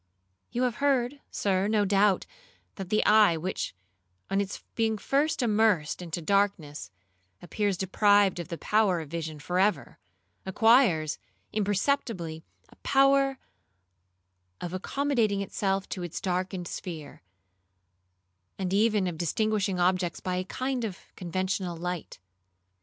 You have heard, Sir, no doubt, that the eye which, on its being first immersed into darkness, appears deprived of the power of vision for ever, acquires, imperceptibly, a power of accommodating itself to its darkened sphere, and even of distinguishing objects by a kind of conventional light.